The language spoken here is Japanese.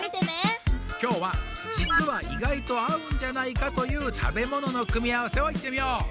きょうはじつは意外と合うんじゃないかという食べものの組み合わせをいってみよう。